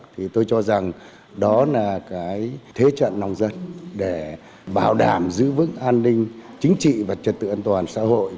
thì tôi cho rằng đó là cái thế trận lòng dân để bảo đảm giữ vững an ninh chính trị và trật tự an toàn xã hội